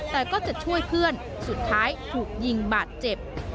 แต่ก็จะช่วยเพื่อนสุดท้ายถูกยิงบาดเจ็บ